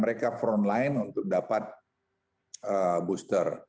mereka sudah berusaha untuk melakukan booster online untuk dapat booster